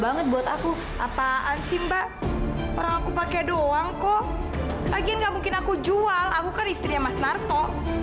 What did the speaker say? apaan sih mbak orang aku pakai doang kok lagi nggak mungkin aku jual aku kan istrinya mas narto